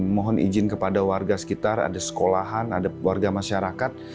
mohon izin kepada warga sekitar ada sekolahan ada warga masyarakat